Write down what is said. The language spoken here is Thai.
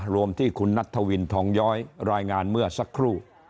รวมที่คุณนัทธวินทองย้อยรายงานเมื่อสักครู่